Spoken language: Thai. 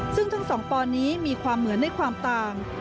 ซึ่งทั้งสองปอนนี้มีความเหมือนในความต่าง